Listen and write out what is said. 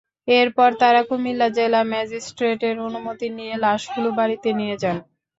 এরপর তাঁরা কুমিল্লা জেলা ম্যাজিস্ট্রেটের অনুমতি নিয়ে লাশগুলো বাড়িতে নিয়ে যান।